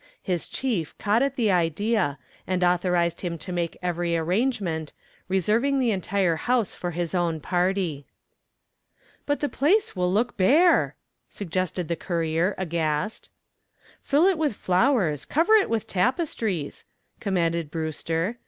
His chief caught at the idea and authorized him to make every arrangement, reserving the entire house for his own party. "But the place will look bare," protested the courier, aghast. "Fill it with flowers, cover it with tapestries," commanded Brewster.